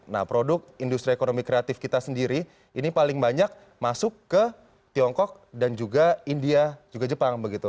nah produk industri ekonomi kreatif kita sendiri ini paling banyak masuk ke tiongkok dan juga india juga jepang begitu